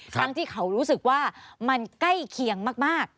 ที่เขารู้สึกว่ามันใกล้เคียงมาก